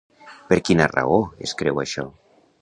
Per quina raó es creu això?